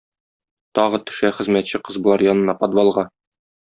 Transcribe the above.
Тагы төшә хезмәтче кыз болар янына подвалга.